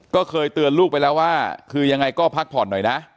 ก็เคยเตือนลูกไปแล้วว่าคือยังไงก็พักผ่อนหน่อยนะ